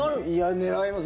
狙います。